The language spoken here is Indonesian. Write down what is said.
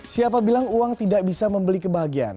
siapa bilang uang tidak bisa membeli kebahagiaan